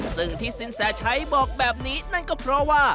ซึ่งที่สินแสชัยบอกแบบนี้นั่นก็เพราะว่า